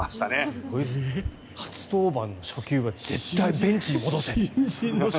初登板の初球は絶対にベンチに戻せって。